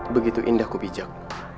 begitu indah ku bijak